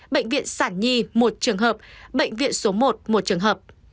bệnh viện sản nhi một trường hợp bệnh viện số một một trường hợp